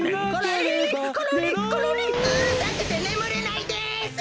うるさくてねむれないです！